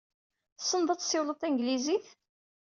Tessneḍ ad tessiwleḍ tanglizit?